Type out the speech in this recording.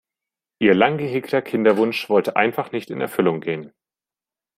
Ihr lang gehegter Kinderwunsch wollte einfach nicht in Erfüllung gehen.